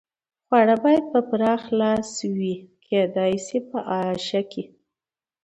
خواړه باید په پراخه لاس وي، کېدای شي په اعاشه کې.